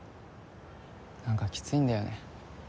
何かキツいんだよね。